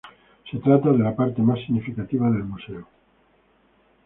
Se trata de la parte más significativa del museo.